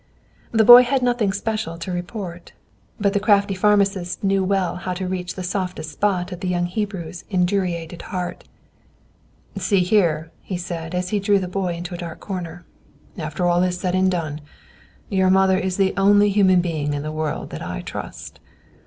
The boy had nothing special to report. But the crafty pharmacist well knew how to reach the softest spot of the young Hebrew's indurated heart. "See here," he said, as he drew the boy into a dark corner. "After all said and done, your mother is the only human being in the world that I trust.